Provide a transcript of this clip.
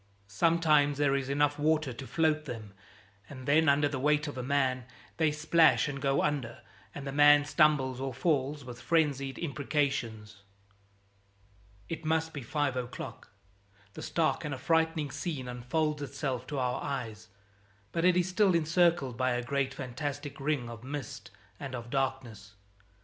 Sometimes there is enough water to float them, and then under the weight of a man they splash and go under, and the man stumbles or falls, with frenzied imprecations. It must be five o'clock. The stark and affrighting scene unfolds itself to our eyes, but it is still encircled by a great fantastic ring of mist and of darkness.